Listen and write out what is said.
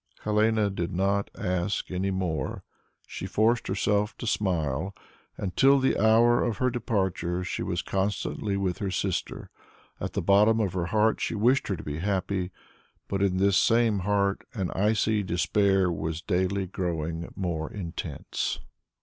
Helene did not ask any more; she forced herself to smile, and till the hour of her departure, she was constantly with her sister; at the bottom of her heart she wished her to be happy, but in this same heart an icy despair was daily growing more intense.